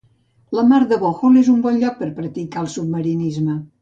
La mar de Bohol és un bon lloc per practicar el submarinisme.